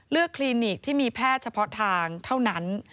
คลินิกที่มีแพทย์เฉพาะทางเท่านั้น